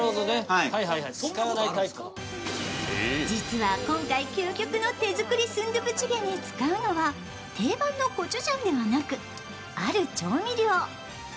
実は今回究極のスンドゥブチゲに使うのは定番のコチュジャンではなくある調味料。